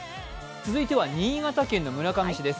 続いては新潟県の村上市です